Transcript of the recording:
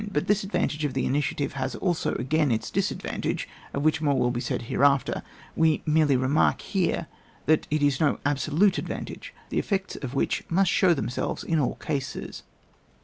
But this advantage of the initiative has also again its disadvantage, of which more will be said hereafter ; we merely remark here, that it is no ahsolute advan tage, the effects of which must show them selves in all cases.